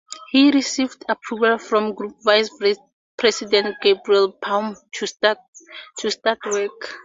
He received approval from group Vice President Gabriel Baum to start work.